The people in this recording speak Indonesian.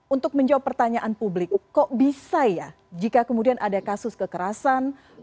untuk menjawab pertanyaan publik kok bisa ya jika kemudian ada kasus kekerasan